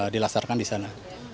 dilaksanakan di sana